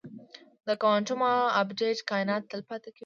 د کوانټم ابدیت کائنات تل پاتې کوي.